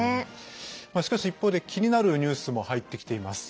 しかし、一方で気になるニュースも入ってきています。